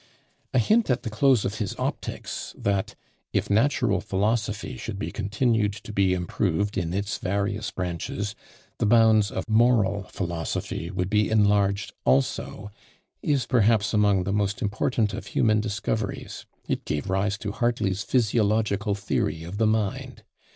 A hint at the close of his Optics, that "If natural philosophy should be continued to be improved in its various branches, the bounds of moral philosophy would be enlarged also," is perhaps among the most important of human discoveries it gave rise to Hartley's Physiological Theory of the Mind.